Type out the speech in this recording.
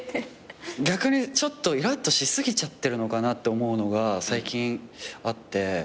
逆にちょっとイラッとし過ぎちゃってるのかなって思うのが最近あって。